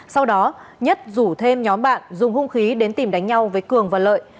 sau đó nhất rủ thêm nhóm bạn dùng hung khí đến tìm đánh nhau với cường và lợi